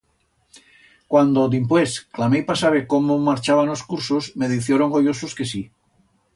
Cuando, dimpués, clamei pa saber cómo marchaban os cursos, me dicioron goyosos que sí.